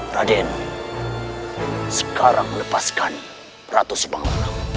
raden sekarang lepaskan ratu subangunang